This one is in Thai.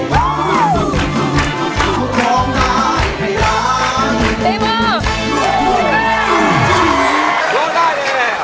ทำได้แล้วตอนนี้รับแล้วสองหมื่น